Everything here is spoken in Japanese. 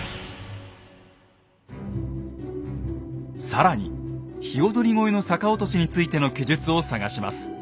更に鵯越の逆落としについての記述を探します。